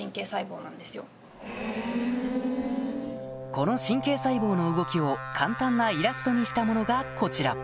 この神経細胞の動きを簡単なイラストにしたものがこちら